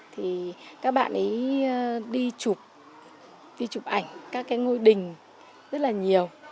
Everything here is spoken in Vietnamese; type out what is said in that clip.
thì các bạn ấy đi chụp đi chụp ảnh các cái ngôi đình rất là nhiều